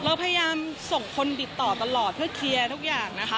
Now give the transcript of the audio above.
เราพยายามส่งคนติดต่อตลอดเพื่อเคลียร์ทุกอย่างนะคะ